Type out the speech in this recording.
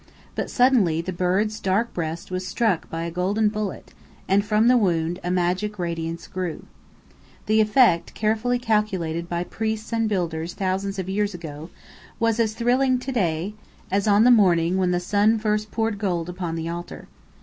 But suddenly the bird's dark breast was struck by a golden bullet and from the wound a magic radiance grew. The effect, carefully calculated by priests and builders thousands of years ago, was as thrilling to day as on the morning when the sun first poured gold upon the altar.